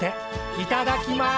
いただきます！